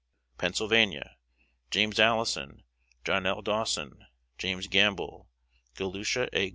Pennsylvania: James Allison, John L. Dawson, James Gamble, Galusha A.